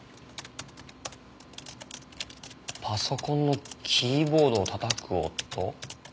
パソコンのキーボードを叩く音？